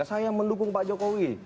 saya mendukung pak jokowi